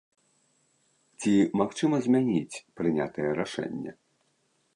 Ці магчыма змяніць прынятае рашэнне?